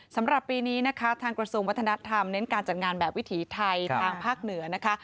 สำหรับปีนี้นะคะทางกระทรวงวัฒนธรรมเน้นการจัดงานแบบวิถีไทยทางภาคเหนือนะคะ